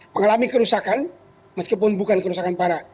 terlalu banyak kerusakan meskipun bukan kerusakan parah